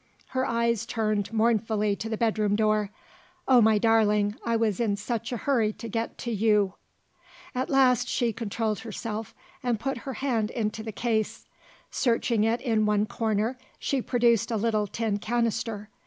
Her eyes turned mournfully to the bedroom door. "Oh, my darling, I was in such a hurry to get to You!" At last, she controlled herself, and put her hand into the case. Searching it in one corner, she produced a little tin canister.